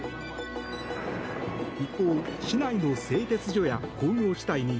一方、市内の製鉄所や工業地帯に